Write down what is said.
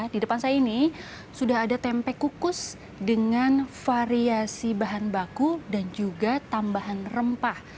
di depan saya ini sudah ada tempe kukus dengan variasi bahan baku dan juga tambahan rempah